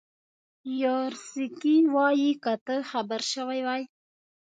یاورسکي وایي که ته خبر شوی وای.